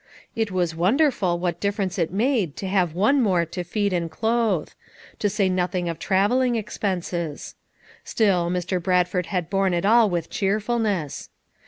It was wonderful what difference it made to have one more to feed and clothe; to say nothing of traveling ex penses. Still, Mr. Bradford had borne it all with cheerfulness.